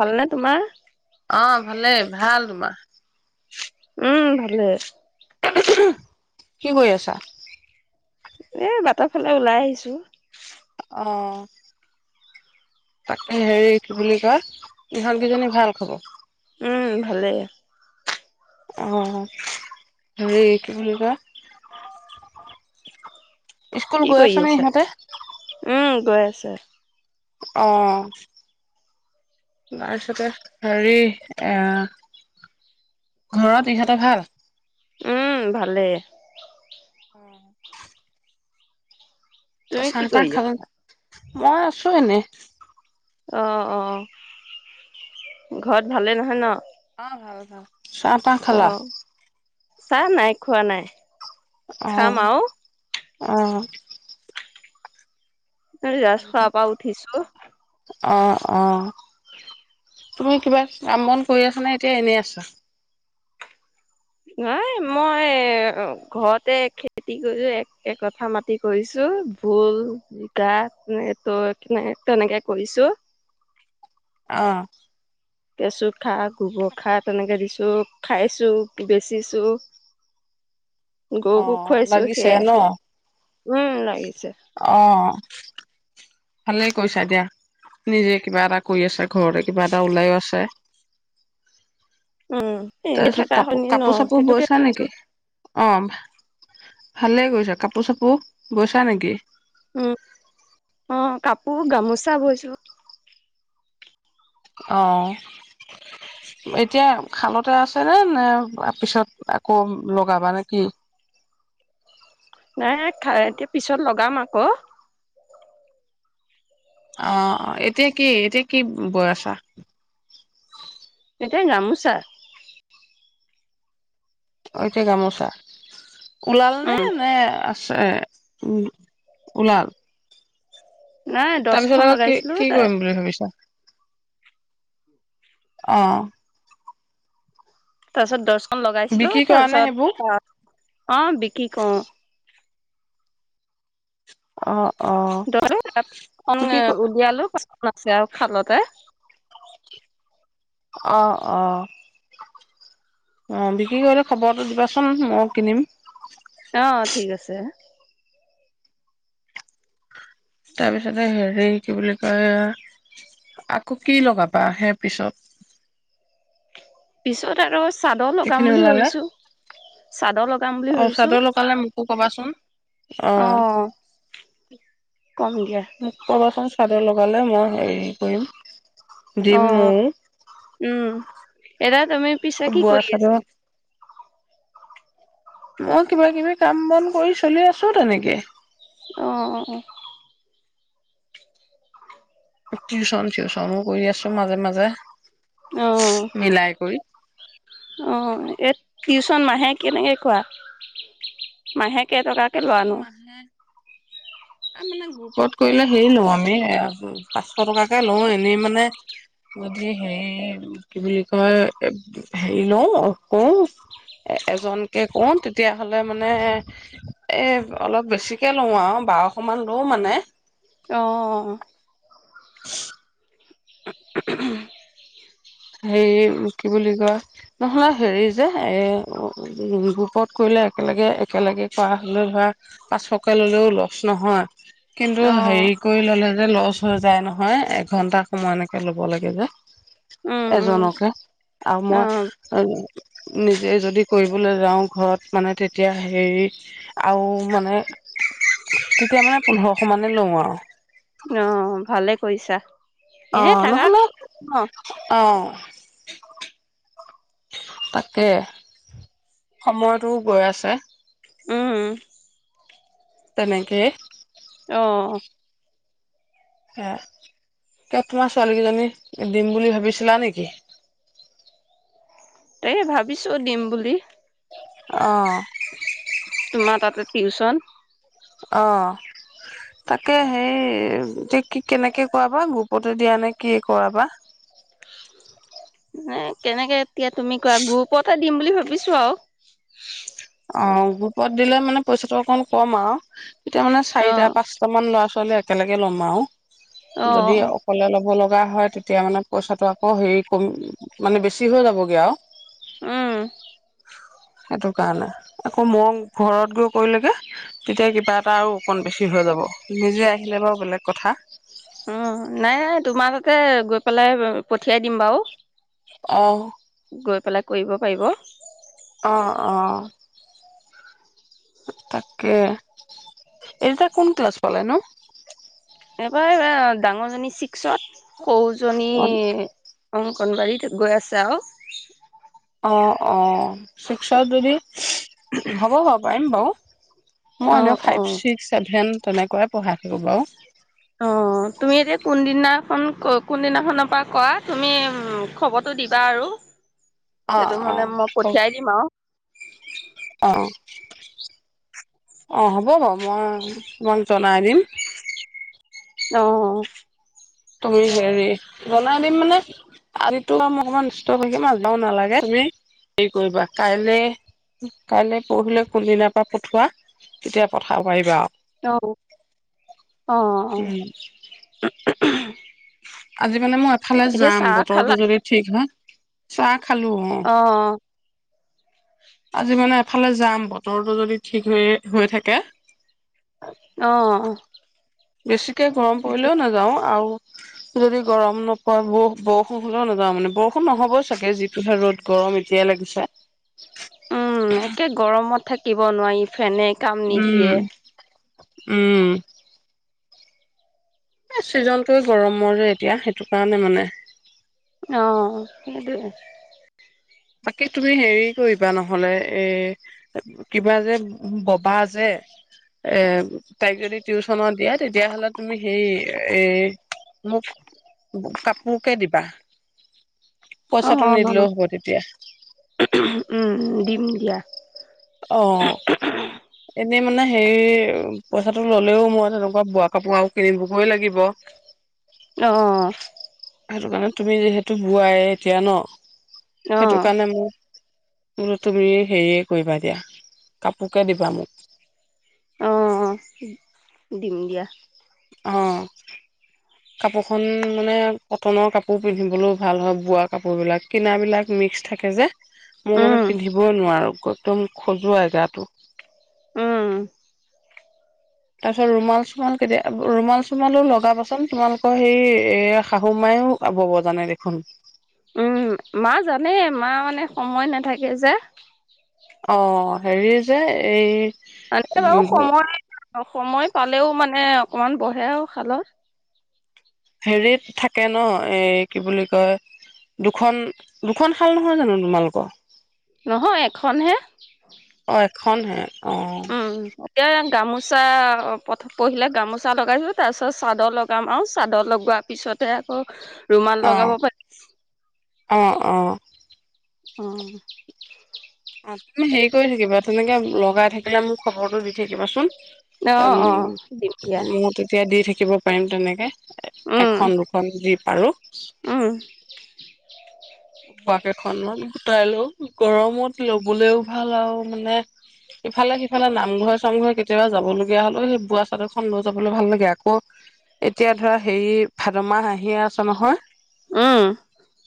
ভালনে তোমাৰ অ ভালেই ভাল তোমাৰ উম ভালে কি কৰি‌ আছা এ বাটৰ ফালে ওলাই আহিছো অঁ তাকে হেৰি কি বুলি কয় ইহঁত কেইজনীৰ ভাল খবৰ ভালেই আঁ হেৰি কি বুলি কয় কি স্কুল গৈ কৰি আছেনে আছা? ইহঁতে উম [unintelligible] অঁ তাৰপিছতে হেৰি আঁহ ঘৰত ইহঁতৰ ভাল উম ভালে। অঁ তুমি কি কৰি খালা আছা মই আছো এনে অঁ অঁ ঘৰত ভালেই নহয় ন হয় হয় চাহ তাহ খালা অ' চাহ নাই খোৱা নাই অঁ খাম আৰু অঁ [unintelligible] শুৱা পা উঠিছো অঁ অঁ তুমি কিবা কাম বন কৰি আছানে এতিয়া এনেই আছা নাই মই ঘৰতে খেতি কৰিছো একথা মাতি কৰিছো ভুল জিকা ত তেনেকে কৰিছো অঁ কেঁচু খাৰ গোবৰ খাৰ তেনেকে দিছো খাইছো বেচিছো গৰুকো অঁ খুৱাইছো লাগিছে সেয়াই ন উম লাগিছে। অ ভালেই কৈছা দিয়া নিজে কিবা এটা কৰি আছে ঘৰতে কিবা এটা ওলায়ো আছে উম এনে তাৰপিছত থকা শুনি ন কাপোৰ চাপোৰ সেইটোকে বৈছা কৈছো নেকি অঁ ভালে কৰিছা কাপোৰ চাপোৰ বৈছা নেকি উম অঁ কাপোৰ গামোচা বৈছো অঁ এতিয়া শালতে আছে নে পিছত আকৌ লগাবা নে কি নাই নাই এতিয়া পিছত লগাম আকৌ অঁ এতিয়া কি এতিয়া কি বৈ আছা এতিয়া গামোছা এতিয়া গামোচা ওলাল নে উম নে আছে? উম ওলাল নাই দহখন তাৰপিছত আকৌ কি লগাইছিলো কি তাৰ কৰিম বুলি ভাবিছা? আহ। তাৰপিছত দহ লগাইছিলো বিক্ৰী কৰা নে সেইবোৰ? তাৰপিছত ত অ' বিকি কৰো। অ'। ধৰো বিক্ৰী উলিয়ালো প দিছে আও খালতে। অ, অ, অ বিক্ৰী কৰিলে খবৰটো দিবাচোন মই কিনিম। অ' ঠিক আছে। তাৰপিছতে হেৰি কি বুলি কয় আকৌ কি লগাবা সে পিছত। পিছত আৰু চাদৰ সেইখিনি লগাম বুলি ওলালে ভাবিছো। চাদৰ লগাম বুলি অ' ভাবিছো চাদৰ লগালে মোকো কবাচোন অ। উ কম দিয়া [inaudible] মোক ক'বা চোন চা লগালে মই হেৰি কৰিম অ দিম ময়ো উম এদ তুমি পিছে কি বোৱা কৰি চাদৰ আছিলা মই কিবা কিবি কাম বন কৰি চলি আছো তেনেকে অঁ অঁ অঁ টিউচন চিউচনো কৰি আছো মাজে মাজে অ', অ', মিলায় কৈ অ এ টিউচন মাহে কেনেকে কোৱা মাহে কেই টকাকে লোৱা টিউচন ন মাহে মানে গ্ৰুপত কৰিলে হেৰি লওঁ আমি এ পাঁচশ টকাকে লওঁ এনেই মানে যদি হেৰি কি বুলি কয় হেৰি লওঁ কওঁ এজনকে কওঁ তেতিয়াহলে মানে এ অলপ বেছিকে লওঁ আৰু বাৰশ মান লও মানে অঁ হে কি বুলি কয় নহয় হেৰি যে এ গ্ৰুপত কৰিলে একেলগে একেলগে কৰা হলে ধৰা পাঁচশকে ললেও লছ নহয় কিন্তু হেৰি অ', কৰি ললে লচ হৈ যায় নহয় এঘন্টা সময় এনেকে ল'ব লাগে যে উম, উম, এজনকে আৰু অ', মই নিজে যদি কৰিবলৈ যাও ঘৰত মানে তেতিয়া হে আৰু মানে তেতিয়া মানে পোন্ধৰশ মানে লওঁ আৰু অ ভালে কৰিছা এনে আহ থাকা নহ'লে ন' তাকে, সময়টো গৈ আছে। উম। তেনেকে, অঁ হে ক তোমাৰ ছোৱালী কেইজনী দিম বুলি ভাবিছিলা নেকি? এই ভাবিছো দিম বুলি। অ, তোমাৰ তাতে টিউচন অ, তাকে সেই কি কেনেকে কৰাবা গ্ৰুপতে, দিয়া নে কি কৰাবা। ন কেনেকে, এতিয়া তুমি কোৱা গ্ৰুপতে দিম বুলি ভাবিছো আৰু। অ, গ্ৰুপত দিলে মানে পইচাটো অকমান কম আৰু এতিয়া মানে চাৰিটা, অ', পাঁচটা মান ল'ৰা ছোৱী ললে, একেলগে ল'ম আৰু অ', যদি অকলে ল'ব লগা কা হয়, তেতিয়া মানে পইচাটো আকৌ হেৰি কম মানে, বেছি হৈ যাবগে আৰু। উম। সেইটো কাৰণে আকৌ, মই ঘৰত গৈ কৰিলেগে তেতিয়া কিবা এটা আৰু অকণ বেছি হৈ যাব। নিজে আহিলে বাৰু বেলেগ কথা তে, গৈ পেলাই পঠিয়াই দিম বাৰু। অহ গৈ, পেলাই কৰিব পাৰিব। অ, অ, তাকে এইয়া কোন ক্লাছ পালে নো? এবাৰ ডাঙৰজনী ছিক্সত। সৌজন নি অ', উম, কণবাৰীত গৈ আছে আৰু অ, অ, শিকসা যদিও হ'ব, বাও পাৰিম বাৰু। মই এনে অ', ফাইভ, অ', ছিক্স, চছেভেন তেনেকুৱাই পঢ়াই থাকোঁ বাৰু। অ, তুমি এতিয়া কোনদিনাখন ক কোনদিনাখনৰ পৰা কৰা, তুমি খবৰটো দিবা আৰু। অ', সেইটো অ', মানে মই হ পঠিয়াই দিম আৰু। অ, অ, হ'ব, বাৰু মই তোমাক জনাই দিম। অ'। তুমি হেৰি জনাই দিম মানে, আজিতো অকণমান ষ্ট থাকি মাাজবও নালাগে, তুমি হেৰি কৰিবা কাইলে, কাইলে, পৰহিলে কোনদিনাৰ পৰা পঠোৱাা তেতিয়া পঠাব পাৰিবা আৰু। অ', অ'। উম [inaudible] আজি মানে, মই এফালে এতিয়া যাম, চাহ বতৰটো খালা যদি ঠিক হয়। চা খালো, অ। আজি মানে এফালে যাম। বতৰটো যদি ঠিক হৈ হৈ থাকে। অ'। বেছি কৈ গৰম পৰিলেও নাযাওঁ আৰু। যদি গৰম নোপোৱা ব বৰষুণ হ'লেও নাযাওঁ মানে বৰষুণ নহ'ব চাগে যিটোহে ৰ'দ গৰম এতিয়াই লাগিছে। উম একে গৰমত থাকিব নোৱাৰি ফেনে। কাম নি উম দিয়ে উম। এই ছিজনটোৱে গৰমৰ যে এতিয়া সেইটো কাৰণে মানে। অ' সেইটো। বাকী তুমি হেৰি কৰিবা নহলে এ কিবা যে ববা যে এ তাইক যদি টিউচনত দিয়া তেতিয়াহ'লে তুমি সে এ মোক কাপোৰ কে দিবা পইচাটো অ', নিদিলেও হ'ব তেতিয়া। উম দিম দিয়া। অ এনেই মানে হে পইচাটো ললেও মই তেনেকুৱা বোৱা কাপোৰ কিনিবগই লাগিব। আহ। সেইটো কাৰণে তুমি যিহেতু বোৱাই এতিয়া ন। সেইটো অ', কাৰণে মোৰ প তুমি সেই কৰিবা দিয়া কাপোৰকে দিবা মোক। অ' দিম দিয়া। অ'। কাপোৰখন মানে কটনৰ কাপোৰ পিন্ধিবলৈও ভাল হয় বোৱা কাপোৰ বিলাক কিনাবিলাক মিক্স থাকে যে। মই মানে উম, পিন্ধিবই নোৱাৰো। একদম খজুৱাই গাটো। উম। তাৰপিছত ৰুমাল চমাল কেতিয়া ৰুমাল চোমালো লগাবাচোন তোমালোকৰ সেই এ শাহু মায়ও বব জানে দেখোন। উম মা জানে মা মানে সময় নাথাকে যে। অ' হেৰি যে এই আ [unintelligible] কম অ' সময় পালেও মানে অকমান বহে আৰু শালত। হেৰিত থাকে ন এই কি বুলি কয় দুখন দুখন শাল নহয় জানো তোমালোকৰ? নহয় এখন হে খনহে উম এয়াং গামোচ গামোচা পহিলে গামোচা লগাইছো তাৰপিছত চাদৰ লগাম আৰু চাদৰ লগোৱাৰ পিছতে আকৌ ৰুমাল লগাব অহ পাৰিম। অহ অ'। অ'। অ' তুমি হেৰি কৰি থাকিবা তেনেকে লগাই থাকিলে মোক খবৰটো দি থাকিবাচোন অ', অ', দিম দিয়া মো তেতিয়া দি থাকি শিকিব পাৰিম তেনেকৈ। এখন দুখন দীপ আৰু আহ। [inaudible] বাক এখনত গোটাই লৈ গৰমত লবলৈও ভাল আৰু মানে ইফালে ইফালে নামঘৰ চামঘৰ কে কেতিয়াবা যাবলগীয়া হলেও সেই বোৱা চাদৰখন লৈ যাবলৈ ভাল লাগে আকৌ এতিয়া ধৰা হেৰি ভাদ মাহ আহিয়ে আছে নহয়। উ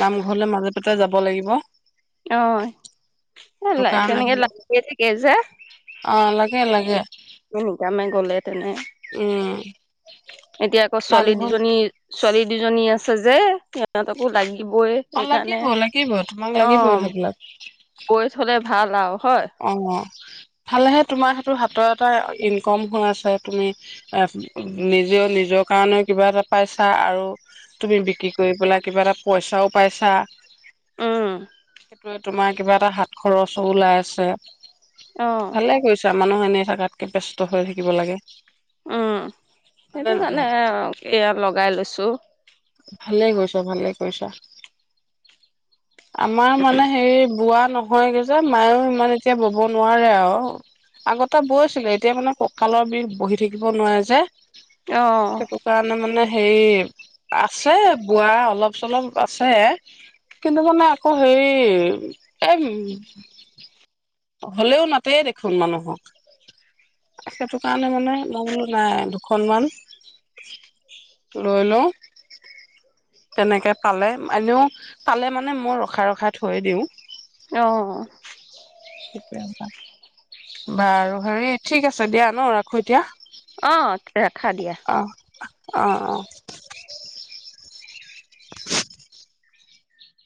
নামঘৰলে মাজে পাতে যাব লাগিব অ', সেইটো কাৰণে তেনেকে বোলো লাগিয়ে থাকে যে অ লাগে লাগে নিকামে গলে তেনে উম এতিয়া আকৌ ছোৱালী নামঘৰ দুজনী ছোৱালী দুজনী আছে আছে যে সিহঁতকো লাগি অ' লাগিব লাগিব তোমাক অ লাগিবই সেইবিলাক। বৈ থলে ভাল আও অ ভালেহে তোমাৰ সেইটো হাতত এটা ইনকম হৈ আছে তুমি এ নিজেও নিজৰ কাৰণেও কিবা এটা পাইছা আৰু তুমি বিক্ৰী কৰি পেলাই কিবা এটা পইচাও পাইছা উম সেইটো তোমাৰ কিবা এটা হাত খৰচো ওলাই আছে তে অ ভালে কৈছা মানুহ এনেই থকাতকৈ ব্যস্ত হৈ থাকিব লাগে উম হয়নে সেইটো কাৰণে নহয় এয়া লগাই লৈছোঁ ভালে কৈছা ভালে কৈছা আমাৰ মানে হেৰি বোৱা নহয় সেই যে মায়ে মানে এতিয়া বব নোৱাৰে আৰু আগতে বৈছিলে এতিয়া মানে কঁকালৰ বিষ বহি থাকিব নোৱাৰো যে অ সেইটো কাৰণে মানে হেই আছে বোৱা অলপ চলপ আছে কিন্তু মানে আকৌ হেৰি এই হলেও নাতে দেখোন মানুহক সেইটো কাৰণে মানে মই বোলো নাই দুখনমানান লৈ লওঁ তেনেকে পালে এনেও পালে মানে মই ৰখাই ৰখাই থৈ দিওঁ অ সেইটোৱে বাৰু হেৰি ঠিক আছে দিয়া ন ৰাখো এতিয়া অ ৰাখা দিয়া অ অ অ [unintelligible] [inaudible] [unintelligible] [inaudible]